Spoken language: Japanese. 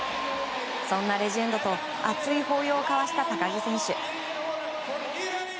そんなレジェンドと熱い抱擁を交わした高木選手。